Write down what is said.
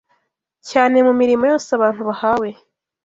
cyane mu mirimo yose abantu bahawe